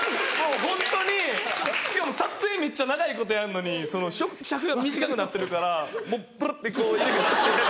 ホントにしかも撮影めっちゃ長いことやるのに尺が短くなってるからもうブルルってこう。